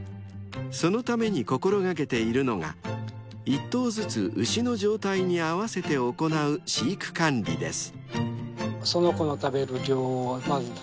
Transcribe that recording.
［そのために心掛けているのが１頭ずつ牛の状態に合わせて行う飼育管理です］